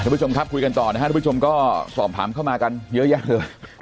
ผู้ชมครับคุยกันต่อนะครับทุกผู้ชมก็สอบถามเข้ามากันเยอะแยะเลย